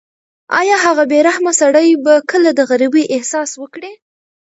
ایا هغه بې رحمه سړی به کله د غریبۍ احساس وکړي؟